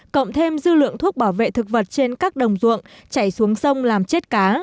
cộng thêm dư lượng thuốc bảo vệ thực vật trên các đồng ruộng chảy xuống sông làm chết cá